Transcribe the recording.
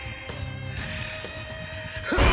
フッ！